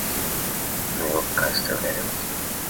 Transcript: Мы его пока оставляем?